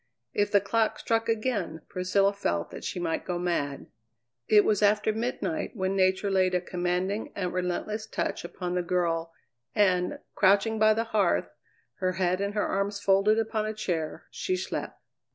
If the clock struck again Priscilla felt that she might go mad. It was after midnight when Nature laid a commanding and relentless touch upon the girl, and, crouching by the hearth, her head in her arms folded upon a chair, she slept.